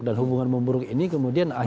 dan hubungan memburuk ini kemudian akhirnya